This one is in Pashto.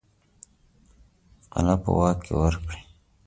قلعه په واک کې ورکړي.